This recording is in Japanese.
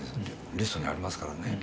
リストにありますからね